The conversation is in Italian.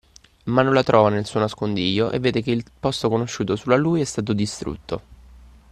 Ma non la trova nel suo nascondiglio e vede che il posto conosciuto solo a lui è stato distrutto